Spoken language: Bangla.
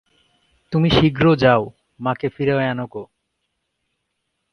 তুমি শীঘ্র যাও, মাকে ফিরাইয়া আনো গে।